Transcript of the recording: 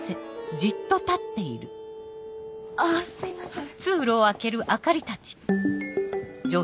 あぁすいません。